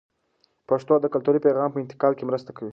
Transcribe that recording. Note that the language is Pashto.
پښتو د کلتوري پیغام په انتقال کې مرسته کوي.